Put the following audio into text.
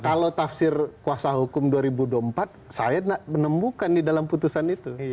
kalau tafsir kuasa hukum dua ribu dua puluh empat saya menemukan di dalam putusan itu